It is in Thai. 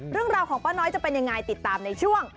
เรื่องราวของป้าน้อยจะเป็นยังไงติดตามในช่วง